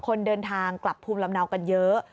คนเดินทางกลับภูมิลำเนากันเยอะ